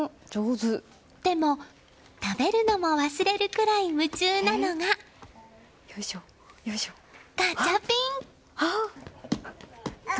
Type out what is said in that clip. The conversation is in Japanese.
でも、食べるのも忘れるくらい夢中なのがガチャピン！